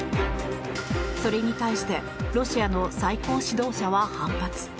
それに対してロシアの最高指導者は反発。